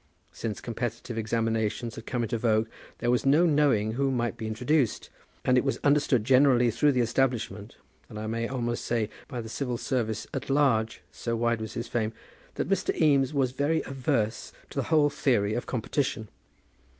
Since competitive examinations had come into vogue, there was no knowing who might be introduced; and it was understood generally through the establishment, and I may almost say by the civil service at large, so wide was his fame, that Mr. Eames was very averse to the whole theory of competition.